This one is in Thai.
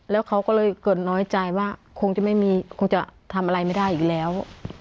แล้วเขาก็เลยเกิดน้อยใจว่าคงจะไม่มีคงจะทำอะไรไม่ได้อีกแล้ว